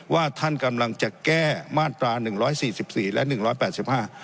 ว่าท่านกำลังจะแก้มาตราหนึ่งร้อยสี่สิบสี่และหนึ่งร้อยแปดสิบห้า